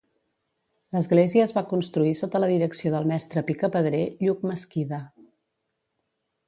L'església es va construir sota la direcció del mestre picapedrer Lluc Mesquida.